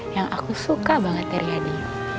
yang aku suka banget dari hadi